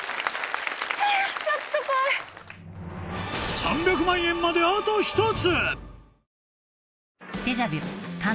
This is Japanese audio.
３００万円まであと１つ！